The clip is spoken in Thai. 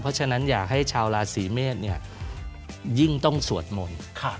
เพราะฉะนั้นอยากให้ชาวราศีเมษยิ่งต้องสวดมนต์